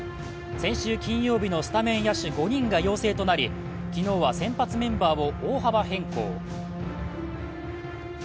先週金曜日のスタメン野手５人が陽性となり昨日は先発メンバーを大幅変更。